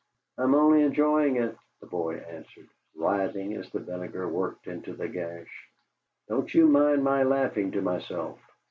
"I'm only enjoying it," the boy answered, writhing as the vinegar worked into the gash. "Don't you mind my laughing to myself."